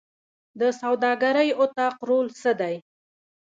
د سوداګرۍ اتاق رول څه دی؟